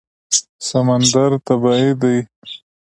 سمندر طبیعي دی.